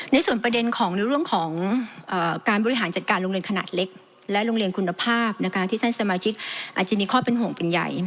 ในส่วนประเด็นของในเรื่องของการบริหารจัดการโรงเรียนขนาดเล็กและโรงเรียนคุณภาพที่ท่านสมาชิกอาจจะมีข้อเป็นห่วงเป็นใหญ่